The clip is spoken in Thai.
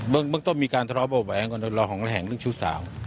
เบื้องต้นมีการทะเลาะบ่วงแหงก่อนเดี๋ยวรอของแหล่งชู้สาว